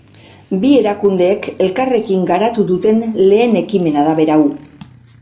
Bi erakundeek elkarrekin garatu duten lehen ekimena da berau.